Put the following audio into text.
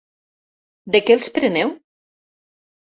De què els preneu?